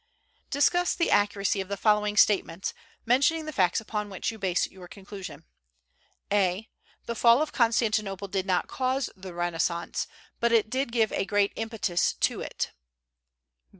Discuss the accuracy of the following statements, mentioning the facts upon which you base your conclusion: a. The fall of Constantinople did not cause the Renaissance, but it did give a great impetus to it.